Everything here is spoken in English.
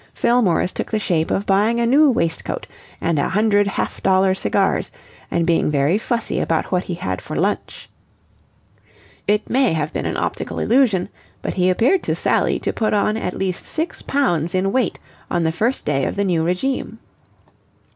Fillmore's took the shape of buying a new waistcoat and a hundred half dollar cigars and being very fussy about what he had for lunch. It may have been an optical illusion, but he appeared to Sally to put on at least six pounds in weight on the first day of the new regime.